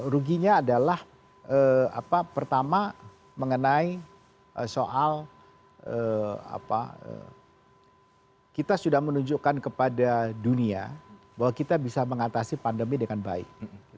ruginya adalah pertama mengenai soal kita sudah menunjukkan kepada dunia bahwa kita bisa mengatasi pandemi dengan baik